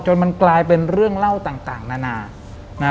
มันกลายเป็นเรื่องเล่าต่างนานา